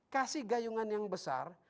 kasih gayungan yang besar